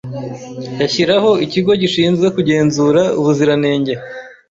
yashyiraho ikigo gishinzwe kugenzura ubuziranenge